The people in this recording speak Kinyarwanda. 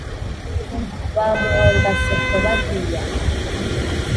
Ba muhonga-nseko bariya